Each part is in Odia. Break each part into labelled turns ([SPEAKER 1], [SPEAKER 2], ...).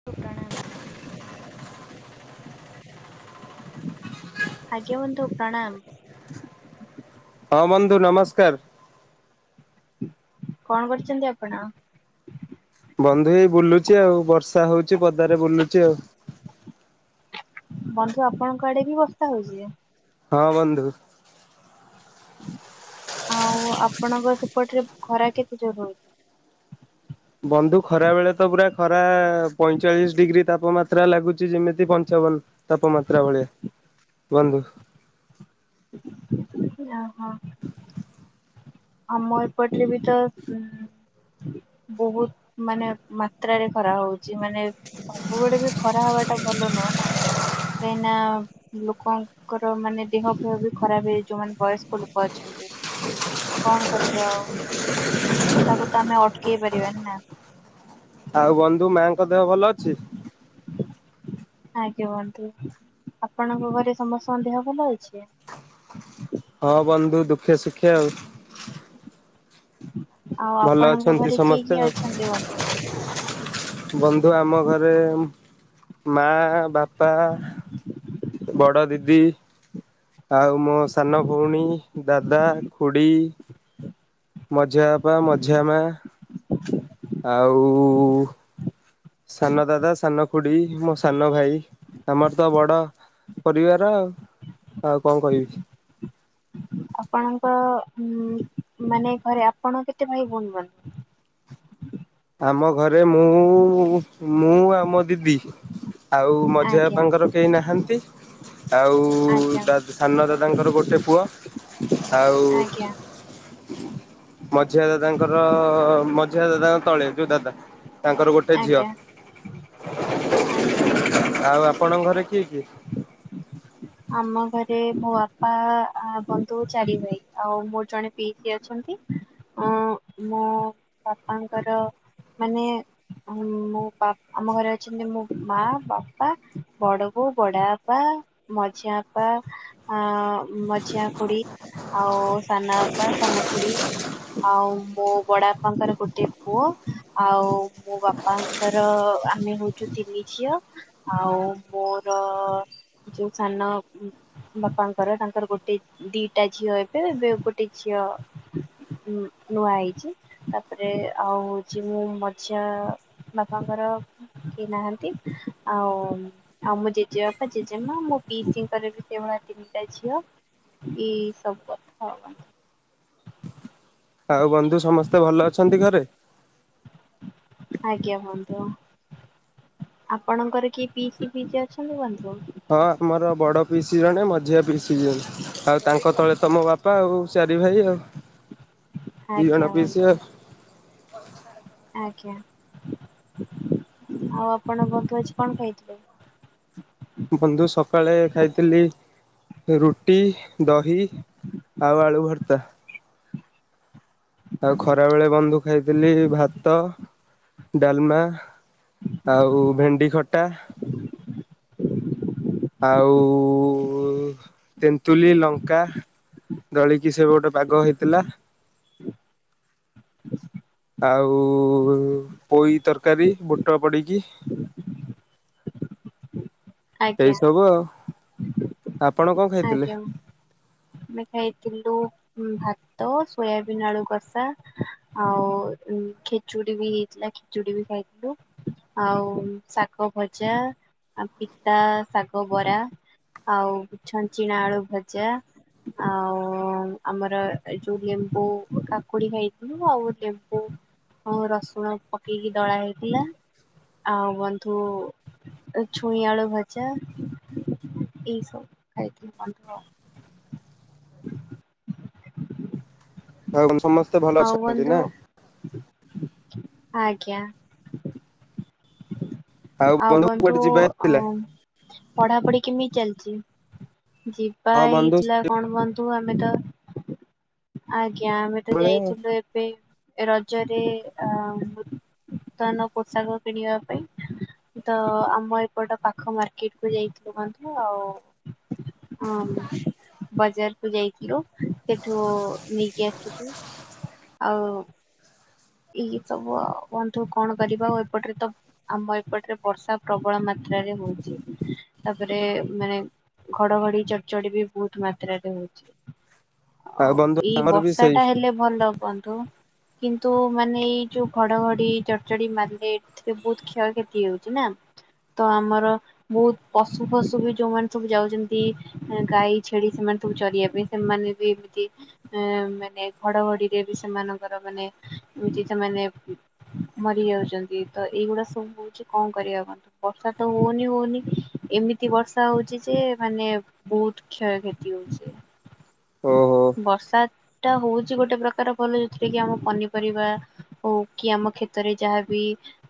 [SPEAKER 1] ହୁଁ। ଆଜ୍ଞା ବନ୍ଧୁ ପ୍ରଣାମ।
[SPEAKER 2] ହଁ ବନ୍ଧୁ ନମସ୍କାର।
[SPEAKER 1] କଣ କରୁଛନ୍ତି ଆପଣ?
[SPEAKER 2] ବନ୍ଧୁ ଏଇ ବୁଲୁଚ ଆଉ ବର୍ଷା ହଉଛି ପଦାରେ ବୁଲୁଚ ଆଉ।
[SPEAKER 1] ବନ୍ଧୁ ଆପଣଙ୍କ ଆଡେ ବି ବର୍ଷା ହଉଛି।
[SPEAKER 2] ହଁ ବନ୍ଧୁ।
[SPEAKER 1] ଆଉ ଆପଣଙ୍କ ସେପଟରେ ଖରା କେତେ ଜୋରେ ହଉଚି।
[SPEAKER 2] ବନ୍ଧୁ ଖରା ବେଳେ ତ ପୁରା ଖରା ପଇଁଚାଳିଶ ଡିଗ୍ରୀ ତାପମାତ୍ରା ଲାଗୁଛି ଯେମିତି ପଞ୍ଚାବନ। ତାପମାତ୍ରା ଭଳିଆ ବନ୍ଧୁ।
[SPEAKER 1] ଓ ହୋ। ଆମ ଏ ପଟରେ ବି ତ। ବହୁତ ମାନେ ମାତ୍ରାରେ ଖରା ହଉଛି। ମାନେ ସବୁବେଳେ ବି ଖରା ହବା ଟା ଭଲ ନୁହଁ ନା କାହିଁି ନା। ଲୋକଙ୍କର ମାନେ ଦେହ ଫେହ ବି ଖରାପ ହେଇଯିବ ଯୋଉମାନେ ବୟସ୍କ ଲୋକ ଅଛନ୍ତି। କଣ କରିବା ଆଉ ତାକୁ ତ ଆମେ ଅଟକେଇ ପାରିବାନି ନା।
[SPEAKER 2] ଆଉ ବନ୍ଧୁ ମାଙ୍କ ଦେହ ଭଲ ଅଛି।
[SPEAKER 1] [inaudible] ଆଜ୍ଞା ବନ୍ଧୁ ଆପଣଙ୍କ ଘରେ ସମସ୍ତଙ୍କ ଦେହ ଭଲ ଅଛି।
[SPEAKER 2] ହଁ ବନ୍ଧୁ ଦୁଃଖେ ସୁଖେ ଆଉ।
[SPEAKER 1] ଆଉ
[SPEAKER 2] ଭଲ
[SPEAKER 1] ଆପଣଙ୍କ
[SPEAKER 2] ଅଛନ୍ତି
[SPEAKER 1] ଘରେ କିଏ
[SPEAKER 2] ସମସ୍ତେ
[SPEAKER 1] କିଏ
[SPEAKER 2] ଆଉ।
[SPEAKER 1] ଅଛନ୍ତି ବନ୍ଧୁ?
[SPEAKER 2] ବନ୍ଧୁ ଆମ ଘରେ ମା। ବାପା ବଡ଼ ଦିଦି। ଆଉ ମୋ ସାନ ଭଉଣୀ ଦାଦା ଖୁଡ଼ି। ମଝିଆ ବାପା ମଝିଆ ମା। ଆଉ ସାନ ଦାଦା ସାନ ଖୁଡି ମୋ ସାନ ଭାଇ ଆମର ତ ବଡ ପରିବାର ଆଉ ଆଉ କଣ କହିବି।
[SPEAKER 1] ଆପଣଙ୍କ ଉଁ ମାନେ ଘରେ ଆପଣ କେତେ ଭାଇ ଭଉଣୀ ବନ୍ଧୁ।
[SPEAKER 2] ଆମ ଘରେ ମୁଁ ମୁଁ ଆ ମୋ ଦିଦି ଆଉ ମଝିଆ
[SPEAKER 1] ଆଜ୍ଞା
[SPEAKER 2] ବାପାଙ୍କର କେହି ନାହାନ୍ତି ଆଉ
[SPEAKER 1] ଆଜ୍ଞା
[SPEAKER 2] ସାନ ଦାଦାଙ୍କର ଗୋଟେ ପୁଅ। ଆଉ
[SPEAKER 1] ଆଜ୍ଞା
[SPEAKER 2] ମଝିଆ ଦାଦାଙ୍କର, ମଝିଆ ଦାଦାଙ୍କ ତଳେ ଯୋଉ ଦାଦା ତାଙ୍କର ଗୋଟେ ଝିଅ,
[SPEAKER 1] ଆଜ୍ଞା ଆଜ୍ଞା ବନ୍ଧୁ।
[SPEAKER 2] ଆଉ ଆପଣଙ୍କ ଘରେ କିଏ କିଏ?
[SPEAKER 1] ଆମ ଘରେ ମୋ ବାପା, ବନ୍ଧୁ ଚାରି ଭାଇ, ଆଉ ମୋର ଜଣେ ପିଇସିି ଅଛନ୍ତି, ମୋ ବାପାଙ୍କର ମାନେ ମୁଁ ବା, ଆମ ଘରେ ଅଛନ୍ତି ମୋ ମା, ବାପା, ବଡ ବୋଉ, ବଡ ବାପା ମଝିାଆପା ଆ, ମଝିଆଁ ଖୁଡି ଆଉ ସାନଆପା, ସାନଖୁଡି ଆଉ ମୋ ବଡ ବାପାଙ୍କର ଗୋଟେ ପୁଅ ଆଉ ମୋ ବାପା ର ଆମେ ହଉଚୁ ତିନି ଝିଅ ଆଉ ମୋର ଯୋଉ ସାନ ବାପାଙ୍କର, ତାଙ୍କର ଗୋଟେ ଦିଟା ଝିଅ ଏବେ, ଏବେ ଗୋଟେ ଝିଅ ଉ ନୂଆ ହେଇଚି, ତାପରେ ଆଉ ହଉଛି ମୁଁ ମଝିଆଁ ବାପାଙ୍କର କିଏ ନାହାନ୍ତି, ଆଉ ଆଉ ମୁଁ ଜେଜେବାପା ଜେ ମା, ମୋ ପିଇସିଙ୍କର ବି ସେଇଭଳିଆ ତିନିଟା ଝିଅ, ଏଇ ସବୁ କଥା ଆଉ ଆମ
[SPEAKER 2] ଆଉ ବନ୍ଧୁ ସମସ୍ତେ ଭଲ ଅଛନ୍ତି ଘରେ?
[SPEAKER 1] ଆଜ୍ଞା ବନ୍ଧୁ, ହଁ। ଆପଣଙ୍କର କିଏ ପିଇସି ଫିଇସୀ ଅଛନ୍ତି ବନ୍ଧୁ?
[SPEAKER 2] ହଁ ଆମର ବଡ ପିଇସି ଜଣେ, ମଝିଆ ପିଇସି ଜଣେ, ଆଉ ତାଙ୍କ ତଳେ ତ ମୋ ବାପା ବାପା ଆଉ, ଚାରି ଭାଇ ଆଉ, ଦି
[SPEAKER 1] ଆଜ୍ଞା
[SPEAKER 2] ଜଣ
[SPEAKER 1] ବନ୍ଧୁ।
[SPEAKER 2] ପିସି ଆଉ।
[SPEAKER 1] ଆଜ୍ଞା, ଆଉ ଆପଣ ବନ୍ଧୁ ଆଜି କଣ ଖାଇଥିଲେ?
[SPEAKER 2] ବନ୍ଧୁ ସକାଳେ ଖାଇଥିଲି ରୁଟି, ଦହି, ଆଉ ଆଳୁ ଭର୍ତ୍ତା। ଆଉ ଖରାବେେଳେ ବନ୍ଧୁ ଖାଇଥିଲି ଭାତ, ଡାଲମା ଆଉ ଭେଣ୍ଡି ଖଟା। ଆଉ ତେନ୍ତୁଲି, ଲଙ୍କା, ଦଳିକି ସେ ଗୋଟେ ପାଗ ହେଇଥିଲା ଆଉ ପୋଇ ତରକାରୀ ବୁଟ ପଡିକି।
[SPEAKER 1] ଆଜ୍ଞା
[SPEAKER 2] ସେଇସବୁ ଆଉ, ଆପଣ କଣ ଖାଇ
[SPEAKER 1] ଆଜ୍ଞା, ଆମେ ଖାଇଥିଲୁ ହୁଁ ଭାତ, ସୋୟାବିନ୍ ଆଳୁ କଷା ଆଉ ଖେଚୁଡି ବି ହେଇଥିଲା, ଖେଚୁଡି ବି ଖାଇଥିଲୁ। ଆଉ ଶାଗ ଭଜା, ଆଉ ପିତା ଶାଗ ବରା। ଆଉ ଛଞ୍ଚିଣା ଆଳୁ ଭଜା। ଆଉ, ଆମର ଏଇ ଯୋଉ ଲେମ୍ବୁ କାକୁଡି ଖାଇଥିଲୁ, ଆଉ ଲେମ୍ବୁ ଆଉ ରସୁଣ ପକେଇକି ଦଳା ହେଇଥିଲା। ଆଉ ବନ୍ଧୁ ଛୁଇଁଆଳୁ ଭଜା। ଏଇସବୁ। ଖାଇଥିଲୁ ବନ୍ଧୁ ଆଉ।
[SPEAKER 2] ଆଉ ସମସ୍ତେ ଭଲ
[SPEAKER 1] ଆଉ
[SPEAKER 2] ଅଛନ୍ତି
[SPEAKER 1] ବନ୍ଧୁ,
[SPEAKER 2] ନା
[SPEAKER 1] ଆଜ୍ଞା। ଆଉ ବନ୍ଧୁ
[SPEAKER 2] କୁଆଡେ ଯିବା ହେଇଥିଲା
[SPEAKER 1] ଓମ୍ ପଢାପଢି କେମିତି ଚାଲିଚି, ଯିବା
[SPEAKER 2] ହଁ ବନ୍ଧୁ
[SPEAKER 1] ହେଇଥିଲା କଣ ବନ୍ ତୁ ଆମେ ତ, ଆଜ୍ଞା, ଆମେ ତ
[SPEAKER 2] ସେଇଭଳିଆ
[SPEAKER 1] ଯାଇଥିଲୁ ଏ ଏ ରଜରେ ଅ ନୂତନ ପୋଷାକ କିଣିବା ତ ଆମ ଏପଟ ପାଖ ମାର୍କେଟ କୁ ଯାଇଥିଲୁ ବନ୍ଧୁ, ଆଉ ହଁ। ବଜାରକୁୁ ଯାଇଥିଲୁ ସେଠୁ ନେଇକି ଆସିଥିଲୁ। ଆଉ ଏଇ ସବୁ ଆଉ ବନ୍ଧୁ କଣ କରିବା ଆଉ ଏପଟରେ ତ ଆମ ଏପଟରେ ବର୍ଷା ପ୍ରବଳ ମାତ୍ରାରେ ହଉଛି ତାପରେ ମାନେ ଘଡଘଡି ଚଡ଼ଚଡି ବି ବହୁତ ମାତ୍ରାରେ ହୋଉଛି। ଆଉ
[SPEAKER 2] ବନ୍ଧୁ
[SPEAKER 1] ଏଇ
[SPEAKER 2] ଆମର ବି ସେଇ
[SPEAKER 1] ବର୍ଷାଟା ହେଲେ ଭଲ ବନ୍ଧୁ। କିନ୍ତୁ ମାନେ ଏଇ ଯୋଉ ଘଡଘଡି ଜଡଚଡି ମାରିଲେ ଏଥିରେ ବହୁତ କ୍ଷୟକ୍ଷତି ହଉଛି ନା। ତ ଆମର ବହୁତ ପଶୁ ଫଶୁ ବି ଯୋଉମାନେ ସବୁ ଯାଉଛନ୍ତି ଗାଈ ଛେଳି ସେମାନେ ସବୁ ଚରିବା ପାଇଁ ସେମାନେ ବି ଏମିତି ଏ ମାନେ ଘଡଘଡିରେ ବି ସେମାନଙ୍କର ମାନେ ଏମିତି ସେମାନେ ମରିଯାଉଛନ୍ତି ତ ଏଇଗୁଡା ସବୁ ହଉଛି କଣ କରିବା ବନ୍ଧୁ। ବର୍ଷା ତ ହୋଉନି ହୋଉନି ଏମିତି ବର୍ଷା ହୋଉଚି ଯେ ମାନେ ବହୁତ କ୍ଷୟକ୍ଷତି ହୋଉଛି।
[SPEAKER 2] ଓହୋ
[SPEAKER 1] ବର୍ଷା ଟା ହୋଉଚି ଗୋଟେ ପ୍ରକାର ଭଲ ଯୋଉଥିରେ କି ଆମ ପନିପରିବା ହୋଉ କି ଆମ କ୍ଷେତରେ ଯାହାବି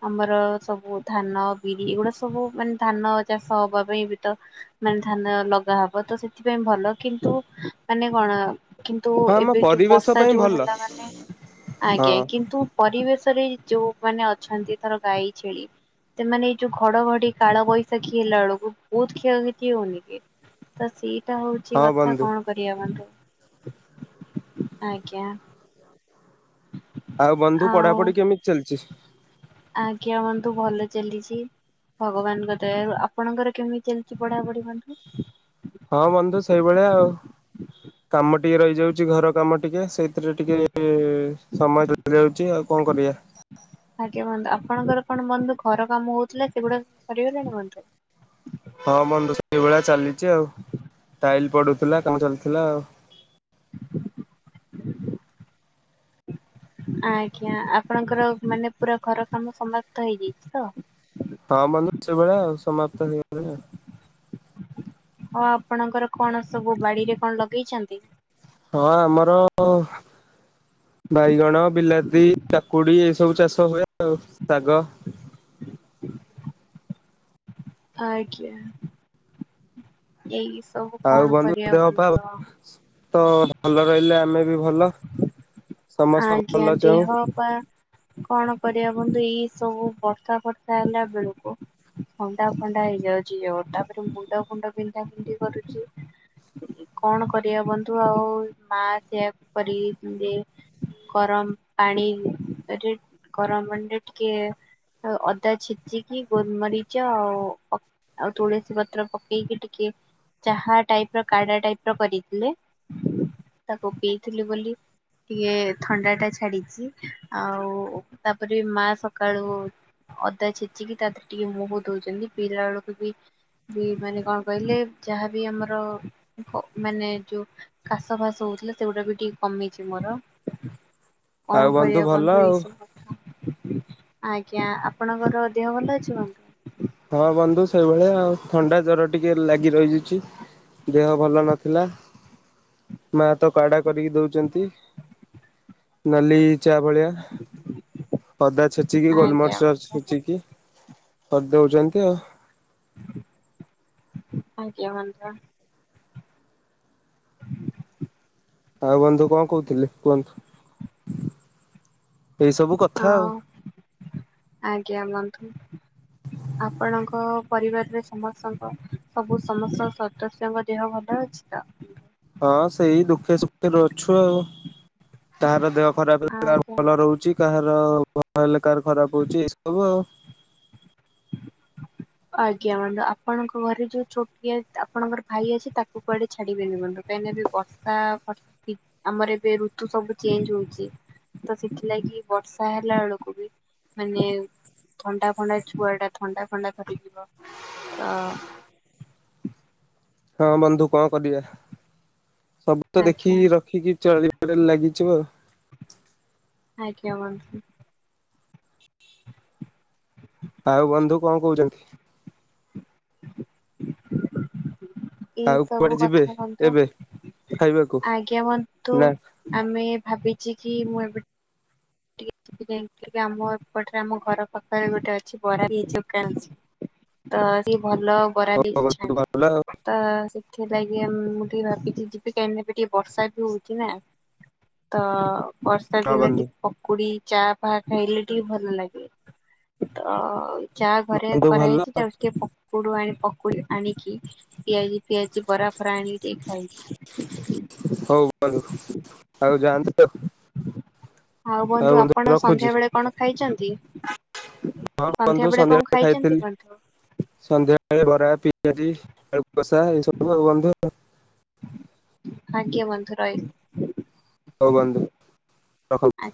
[SPEAKER 1] ଆମର ସବୁ ଧାନ ବିରି ଏଇଗୁଡା ସବୁ ମାନେ ଧାନ ଚାଷ ହବା ପାଇଁ ବି ତ ମାନେ ଧାନ ଲଗା ହବ ତ ସେଥିପାଇଁ ଭଲ କିନ୍ତୁ ମାନେ କଣ କିନ୍ତୁ
[SPEAKER 2] ହଁ ଆମ
[SPEAKER 1] ଏବେ ଯୋଉ
[SPEAKER 2] ପରିବେଶ
[SPEAKER 1] ବର୍ଷା
[SPEAKER 2] ପାଇଁ
[SPEAKER 1] ଯୋର
[SPEAKER 2] ଭଲ
[SPEAKER 1] ହେଲା ମାନେ ଆଜ୍ଞା
[SPEAKER 2] ହଁ
[SPEAKER 1] କିନ୍ତୁ ପରିବେଶରେ ଯୋଉମାନେ ଅଛନ୍ତି ଧର ଗାଈ ଛେଳି ସେମାନେ ଏଇ ଯୋଉ ଘଡଘଡି କାଳ ବୈଶାଖୀ ହେଲା ବେଳକୁ ବହୁତ କ୍ଷୟକ୍ଷତି ହଉନି କି। ତ ସେଇ ତ ହୋଉଛି
[SPEAKER 2] ହଁ
[SPEAKER 1] କଥା
[SPEAKER 2] ବନ୍ଧୁ।
[SPEAKER 1] କଣ କରିବା ବନ୍ଧୁ ଆଜ୍ଞା।
[SPEAKER 2] ଆଉ ବନ୍ଧୁ
[SPEAKER 1] ଆଉ
[SPEAKER 2] ପଢାପଢି କେମିତି ଚାଲିଛି?
[SPEAKER 1] ଆଜ୍ଞା ବନ୍ଧୁ ଭଲ ଚାଲିଛି। ଭଗବାନଙ୍କ ଦୟାରୁ। ଆପଣଙ୍କର କେମିତି ଚାଲିଛି ପଢାପଢି ବନ୍ଧୁ?
[SPEAKER 2] ହଁ ବନ୍ଧୁ ସେଇଭଳିଆ ଆଉ। କାମ ଟିକେ ରହିଯାଉଛି ଘର କାମ ଟିକେ ସେଇଥିରେ ଟିକେ ସମୟ [inaudible] ଯାଉଛି ଆଉ କଣ କରିବା।
[SPEAKER 1] ଆଜ୍ଞା ବନ୍ଧୁ ଆପଣଙ୍କର କଣ ବନ୍ଧୁ ଘର କାମ ହୋଉଥିଲା ସେଗୁଡାକ ସରିଗଲାଣି ବନ୍ଧୁ?
[SPEAKER 2] ହଁ ବନ୍ଧୁ ସେଇଭଳିଆ ଚାଲିଛି ଆଉ ଟାଇଲ ପଡୁଥିଲା କାମ ଚାଲିଥିଲା ଆଉ।
[SPEAKER 1] ଆଜ୍ଞା ଆପଣଙ୍କର ମାନେ ପୁରା ଘର କାମ ସମାପ୍ତ ହେଇଯାଇଛି ତ?
[SPEAKER 2] ହଁ ବନ୍ଧୁ ସେଇଭଳିଆ ଆଉ ସମାପ୍ତ ହେଇଗଲାଣି ଆଉ।
[SPEAKER 1] ହଉ ଆପଣଙ୍କର କଣ ସବୁ ବାଡିରେ କଣ ଲଗେଇଛନ୍ତି?
[SPEAKER 2] ହଁ ଆମର ବାଇଗଣ, ବିଲାତି, କା କୁଡ଼ି ଏସବୁ ଚାଷ ହୁଏ ଆଉ ଶାଗ।
[SPEAKER 1] ଆଜ୍ଞା। ଏଇ ସବୁ
[SPEAKER 2] ଆଉ
[SPEAKER 1] କଣ
[SPEAKER 2] ବନ୍ଧୁ
[SPEAKER 1] କରିବା
[SPEAKER 2] ଦେହ ପା
[SPEAKER 1] ଆଉ।
[SPEAKER 2] ତ ଭଲ ରହିଲେ ଆମେ ବି ଭଲ। ସମସ୍ତଙ୍କ ଭଲ ଚାହୁଁ।
[SPEAKER 1] ବା କଣ କରିବା ବଧୁ ଏଇ ସବୁ ବର୍ଷା ଫର୍ଷା ହେଲାବେଳକୁ ଥଣ୍ଡା ଫଣ୍ଡା ହେଇଯାଉଛି ଯୋର। ତାପରେ ମୁଣ୍ଡ ଫୁଣ୍ଡ ବିନ୍ଧା ବୁନ୍ଧି କରୁଛି। କଣ କରିବା ବନ୍ଧୁ ଆଉ ମା ସେଆକୁ କରିକି ଦିଏ। ଗରମ ପାଣିରେ ଗରମ ପାଣିରେ ଟିକେ ଆ ଅଦା ଛେଚିକି ଗୋଲମରିଚ ଆଉ ଆଉ ତୁଳସୀ ପତ୍ର ପକେଇକି ଟିକେ ଚାହା ଟାଇପ୍ ର କାଡା ଟାଇପ୍ ର କରିଥିଲେ। ତାକୁ ପିଇଥିଲି ବୋଲି ଟିକେ ଥଣ୍ଡା ଟା ଛାଡିଚି ଆଉ ତାପରେ ବି ମା ସକାଳୁ ଅଦା ଛେଚିକି ତା ଦେହରେ ଟିକେ ମୁହଁ ଧୋଉଚନ୍ତି ପିିଲାବେଳକୁ ବି ବି ମାନେ କଣ କହିଲେ ଯାହାବି ଆମର କ ମାନେ ଯୋଉ କାଶ ଫାସ ହଉଥିଲା ସେଗୁଡାବି ଟିକେ କମିଚି ମୋର।
[SPEAKER 2] ଆଉ
[SPEAKER 1] କଣ କରିବା
[SPEAKER 2] ଭଲ
[SPEAKER 1] ବନ୍ଧୁ ଏଇ
[SPEAKER 2] ଆଉ।
[SPEAKER 1] ସ ଆଜ୍ଞା ଆପଣଙ୍କର ଦେହ ଭଲ ଅଛି ବନ୍ଧୁ?
[SPEAKER 2] ହଁ ବନ୍ଧୁ ସେଇଭଳିଆ ଆଉ ଥଣ୍ଡା ଜର ଟିକେ ଲାଗି ରହିଯାଉଚି। ଦେହ ଭଲ ନଥିଲା। ମା ତ କାଡା କରିକି ଦଉଚନ୍ତି ନାଲି ଚା ଭଳିଆ। ଆଦା ଛେଚିକି
[SPEAKER 1] ଆଜ୍ଞା
[SPEAKER 2] ଗୋଲମର୍ଚ
[SPEAKER 1] ବନ୍ଧୁ
[SPEAKER 2] ଛେଚିକି ଦଉଚନ୍ତି ଆଉ।
[SPEAKER 1] ଆଜ୍ଞା ବନ୍ଧୁ।
[SPEAKER 2] ଆଉ ବନ୍ଧୁ କଣ କହୁଥିଲେ କୁହନ୍ତୁ। ଏଇ ସବୁ କଥା ଆଉ
[SPEAKER 1] ହଁ ଆଜ୍ଞାବନ୍ଧୁ। ଆପଣଙ୍କ ପରିବାରରେ ସମସ୍ତଙ୍କ ସବୁ ସମସ୍ତ ସଦସ୍ୟଙ୍କ ଦେହ ଭଲ ଅଛି ତ?
[SPEAKER 2] ହଁ ସେଇ ଦୁଃଖେ ସୁଖରେ ଅଛୁ ଆଉ‌। କାହାର ଦେହ ଖରାପ କାହାର
[SPEAKER 1] ଆଜ୍ଞା
[SPEAKER 2] ଭଲ ରହୁଚି କାହାର ଭଲ ହେଲେ କାହାର ଖରାପ ହଉଚି ଏ ସବୁ ଆଉ।
[SPEAKER 1] ଆଜ୍ଞା ବନ୍ଧୁ ଆପଣଙ୍କ ଘରେ ଯୋଉ ଛୋଟିଆ ଆପଣଙ୍କର ଭାଇ ଅଛି ତାକୁ କୁଆଡେ଼ ଛାଡିବେନି ବନ୍ଧୁ କାହିଁକିନା ଏବେ ବର୍ଷା ବର୍ଷି ଆମର ଏବେ ଋତୁ ସବୁ ଚେଞ୍ଜ ହଉଚି। ତ ସେଥିଲାଗି ବର୍ଷା ହେଲା ବେଳକୁ ବି ମାନେ ଥଣ୍ଡା ଫଣ୍ଡା ଛୁଆଟା ଥଣ୍ଡା ଫଣ୍ଡା ଧରିଯିବ ତ
[SPEAKER 2] ହଁ ବନ୍ଧୁ କଣ କରିବା ସବୁ ତ
[SPEAKER 1] ଆଜ୍ଞା
[SPEAKER 2] ଦେଖିକି ରଖିକି ଚଲିବା ରେ ଲାଗିଥିବ।
[SPEAKER 1] ଆଜ୍ଞା ବନ୍ଧୁ।
[SPEAKER 2] ଆଉ ବନ୍ଧୁ କଣ କହୁଚନ୍ତି?
[SPEAKER 1] ଏଇ
[SPEAKER 2] ଆଉ କୁଆଡେ
[SPEAKER 1] ସବୁ
[SPEAKER 2] ଯିବେ
[SPEAKER 1] କଥା ବନ୍ଧୁ
[SPEAKER 2] ଏବେ ଖାଇବାକୁ
[SPEAKER 1] ଆଜ୍ଞା ବନ୍ଧୁ।
[SPEAKER 2] ନା
[SPEAKER 1] ଆମେ ଭାବିଚି କି ମୁଁ ଏବେ ସେଥିପାଇଁ ଆମ ଏପଟରେ ଆମ ଘର ପାଖରେ ଗୋଟେ ଅଛି ବରା ବି [unintelligible] ତ ସିଏ ଭଲ ବରା
[SPEAKER 2] ହଉ
[SPEAKER 1] ପିଆଜି
[SPEAKER 2] ବନ୍ଧୁ
[SPEAKER 1] ଛାଣେ।
[SPEAKER 2] ଭଲ ଆଉ
[SPEAKER 1] ତ ସେଥିଲାଗି ମୁଁ ଟିକେ ଭାବିଚି ଯିବି କାହିଁକି ନା ଏବେ ଟିକେ ବର୍ଷା ବି ହଉଚି ନା। ତ ବର୍ଷା
[SPEAKER 2] ହଁ
[SPEAKER 1] ଦିନ
[SPEAKER 2] ବନ୍ଧୁ
[SPEAKER 1] ଟିକେ ପକୁଡି ଚା ପାହା ଖାଇଲେ ଟିକେ ଭଲ ଲାଗେ ତ ଚାହା ଘରେ
[SPEAKER 2] ବନ୍ଧୁ ଭଲ
[SPEAKER 1] କରାହେଇଚି ଯାଉଚି ଟିକେ ପ ପକୁଡୁ ଆଣି ପକୁଡ଼ି ଆଣିକି ପିଆଜି ଫିଆଜି ବରାଫରା ଆଣିକି ଟିକେ ଖାଇ
[SPEAKER 2] ହଉ ବନ୍ଧୁ ଆଉ ଯାଆନ୍ତୁ ଆଉ।
[SPEAKER 1] ଆଉ ବନ୍ଧୁ ଆପଣ ସନ୍ଧ୍ୟା ବେଳେ କଣ ଖାଇଚନ୍ତି?
[SPEAKER 2] ହଁ ବନ୍ଧୁ ସନ୍ଧ୍ୟାବେଳେ ବେଳେ ଖାଇଥିଲି।
[SPEAKER 1] ବନ୍ଧୁ?
[SPEAKER 2] ସନ୍ଧ୍ୟାବେଳେ ବରା, ପିଆଜି, ଆଳୁ କଷା ଏ ସବୁ ଆଉ ବନ୍ଧୁ ଆଉ।
[SPEAKER 1] ଆଜ୍ଞା ବନ୍ଧୁ ରହିଲି।
[SPEAKER 2] ହଉ ବନ୍ଧୁ। ରଖ
[SPEAKER 1] ଆ